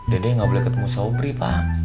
dedek gak boleh ketemu sopri pak